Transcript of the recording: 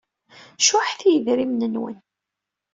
Cuḥet i yidrimen-nwen.